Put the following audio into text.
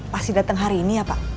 pasti datang hari ini ya pak